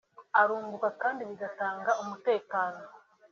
arunguka kandi bigatanga umutekano